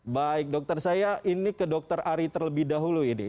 baik dokter saya ini ke dr ari terlebih dahulu ini